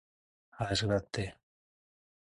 A desgrat de.